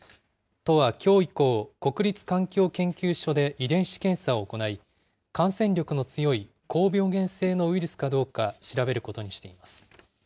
都はきょう以降、国立環境研究所で遺伝子検査を行い、感染力の強い高病原性のウイルスかどうか、調べることにしています。